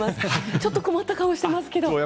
ちょっと困った顔をしてますが。